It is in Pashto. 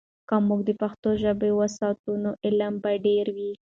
که موږ د پښتو ژبه وساتو، نو علم به ډیر وي.